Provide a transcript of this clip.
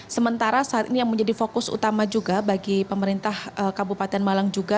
sementara saat ini yang menjadi fokus utama juga bagi pemerintah kabupaten malang juga